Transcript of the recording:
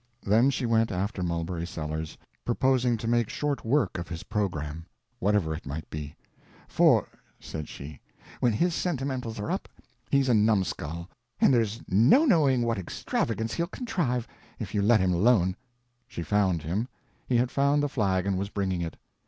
Then she went after Mulberry Sellers, purposing to make short work of his program, whatever it might be; "for," said she, "when his sentimentals are up, he's a numskull, and there's no knowing what extravagance he'll contrive, if you let him alone." She found him. He had found the flag and was bringing it.